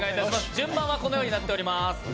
順番はこのようになっています。